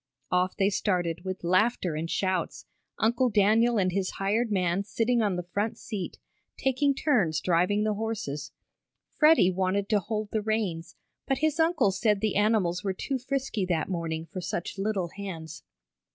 Off they started, with laughter and shouts, Uncle Daniel and his hired man sitting on the front seat, taking turns driving the horses. Freddie wanted to hold the reins, but his uncle said the animals were too frisky that morning for such little hands.